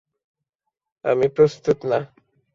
আমি প্রস্তুত না।